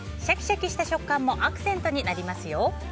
シャキシャキした食感もアクセントになりますよ。